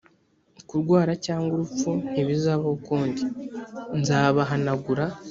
kurwara cyangwa urupfu ntibizabaho ukundi nzabahanagura